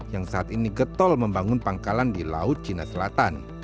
yang saat ini getol membangun pangkalan di laut